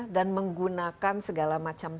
dan menggunakan segala macam